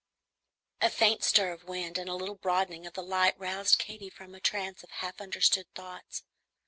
A faint stir of wind and a little broadening of the light roused Katy from a trance of half understood thoughts.